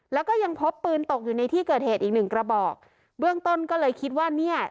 แล้วก็ยังพบปืนตกอยู่ในที่เกิดเหตุอีกหนึ่งกระบอกเบื้องต้นก็เลยคิดว่าเนี่ย